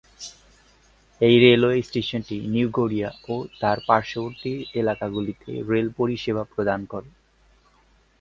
এই রেলওয়ে স্টেশনটি নিউ গড়িয়া ও তার পার্শ্ববর্তী এলাকাগুলিতে রেল পরিষেবা প্রদান করে।